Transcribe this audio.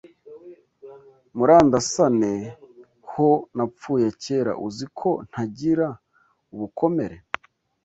Murandasane ho napfuye kera Uzi ko ntagira ubukomere